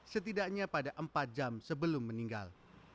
setidaknya pada empat jam sebelum meninggal